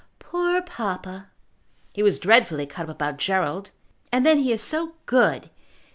"Poor papa!" "He was dreadfully cut up about Gerald. And then he is so good!